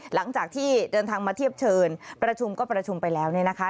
หลังจากที่เดินทางมาเทียบเชิญประชุมก็ประชุมไปแล้วเนี่ยนะคะ